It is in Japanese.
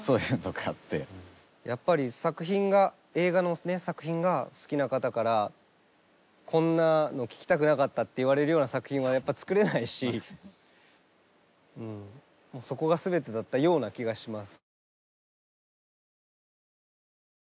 やっぱり作品が映画の作品が好きな方からこんなの聴きたくなかったって言われるような作品はやっぱ作れないしそこが全てだったような気がします。